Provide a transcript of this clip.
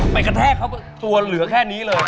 กระแทกเขาตัวเหลือแค่นี้เลย